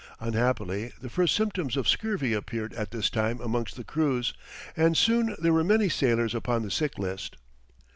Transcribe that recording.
Unhappily the first symptoms of scurvy appeared at this time amongst the crews, and soon there were many sailors upon the sick list.